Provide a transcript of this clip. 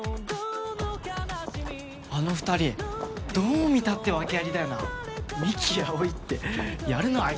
あの２人どう見たって訳ありだよな三木葵ってやるなあ